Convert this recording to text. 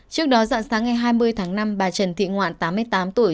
trước đó dặn sáng ngày hai mươi tháng năm bà trần thị ngoạn tám mươi tám tuổi